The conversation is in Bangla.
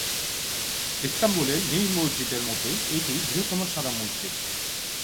ইস্তাম্বুলের নীল মসজিদের মতই এটি বৃহত্তম সাদা মসজিদ।